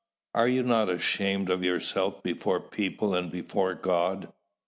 Are you not ashamed of yourselves before people and before God?"